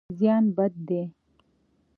زیان بد دی.